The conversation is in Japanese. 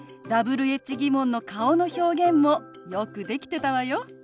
Ｗｈ−疑問の顔の表現もよくできてたわよ。